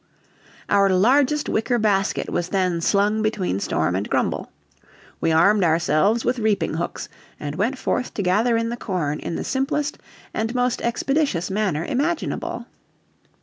Our largest wicker basket was then slung between Storm and Grumble; we armed ourselves with reaping hooks, and went forth to gather in the corn in the simplest and most expeditious manner imaginable.